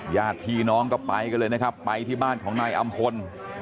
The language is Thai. ญาติพี่น้องก็ไปกันเลยนะครับไปที่บ้านของนายอำพล